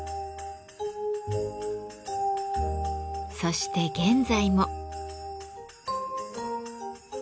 そして現在も。